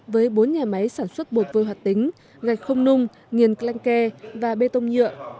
với bốn nhà máy sản xuất bột vơi hoạt tính gạch không nung nghiền clanke và bê tông nhựa